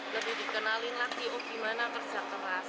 lebih dikenalin laki laki oh gimana kerja keras